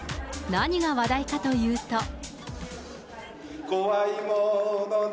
何が話題かというと。